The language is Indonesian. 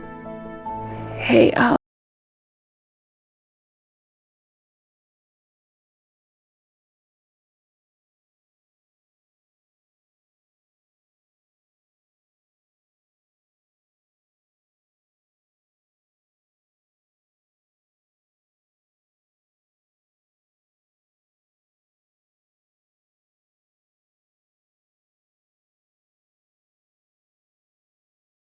akan selalu ada orang orang hebat yang duduk disini